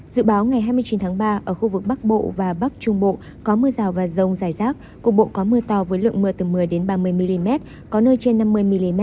dự báo ngày hai mươi chín tháng ba ở khu vực bắc bộ và bắc trung bộ có mưa rào và rông dài rác cục bộ có mưa to với lượng mưa từ một mươi ba mươi mm có nơi trên năm mươi mm